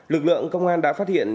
lực lượng công an đã phát hiện